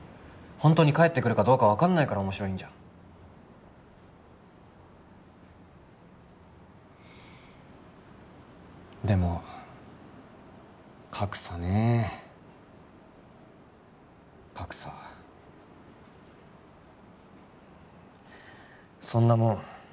ホントに帰ってくるかどうか分かんないから面白いんじゃんでも格差ねえ格差そんなもん